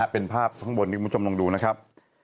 เป็นภาพข้างบนที่คุณผู้ชมลองดูนะครับ